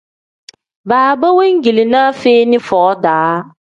Baaba wengilinaa feeni foo-daa.